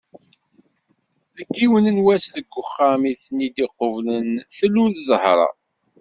Deg yiwen n wass deg uxxam i ten-id-iqublen tlul Zahra.